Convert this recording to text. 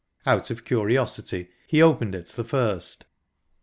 Out of curiosity, he opened it the first.